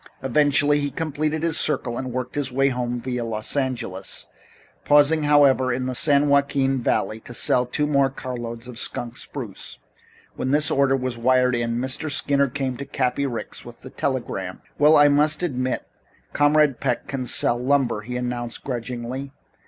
Eventually he completed his circle and worked his way home, via Los Angeles, pausing however, in the San Joaquin Valley to sell two more carloads of skunk spruce. When this order was wired in, Mr. Skinner came to Cappy Ricks with the telegram. "Well, I must admit Comrade Peck can sell lumber," he announced grudgingly.